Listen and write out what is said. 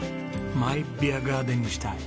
マイビアガーデンにしたい。